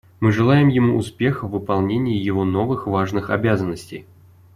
Мы желаем ему успеха в выполнении его новых важных обязанностей.